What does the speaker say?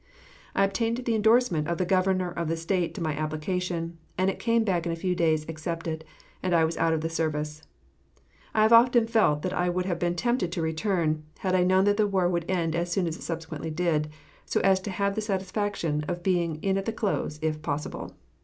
I obtained the endorsement of the Governor of the State to my application, and it came back in a few days accepted, and I was out of the service. I have often felt that I would have been tempted to return had I known that the war would end as soon as it subsequently did, so as to have had the satisfaction of being in at the close, if possible.